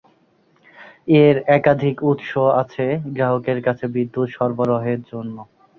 এর একাধিক উৎস আছে গ্রাহকের কাছে বিদ্যুৎ সরবরাহের জন্য।